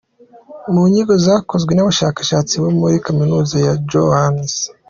Mu nyigo zakozwe n’abashakashatsi bo muri Kaminuza ya Johns